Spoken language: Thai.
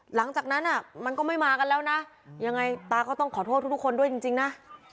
หลังจากนั้นมันก็ไม่มากันแล้วนะยังไงตาก็ต้องขอโทษทุกคนด้วยจริงนะ